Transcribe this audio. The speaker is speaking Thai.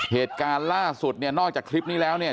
เหตุการณ์ล่าสุดเนี่ยนอกจากคลิปนี้แล้วเนี่ย